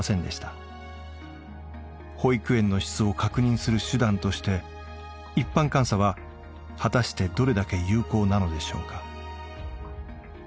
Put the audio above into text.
保育園の質を確認する手段として一般監査は果たしてどれだけ有効なのでしょうか。